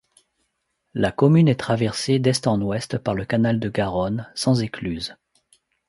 La commune est traversée d'est en ouest par le canal de Garonne, sans écluse.